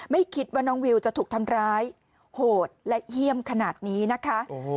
ไม่คิดว่าน้องวิวจะถูกทำร้ายโหดและเยี่ยมขนาดนี้นะคะ